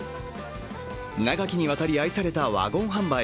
長きにわたり愛されたワゴン販売。